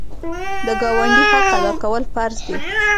د ګاونډي حق ادا کول فرض دي.